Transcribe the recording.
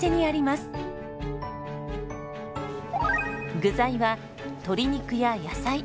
具材は鶏肉や野菜。